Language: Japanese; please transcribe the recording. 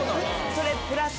それプラス